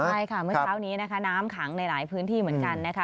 ใช่ค่ะเมื่อเช้านี้นะคะน้ำขังในหลายพื้นที่เหมือนกันนะคะ